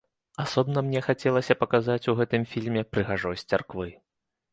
Асобна мне хацелася паказаць у гэтым фільме прыгажосць царквы.